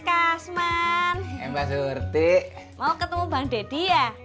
kalau itu saya udah tahu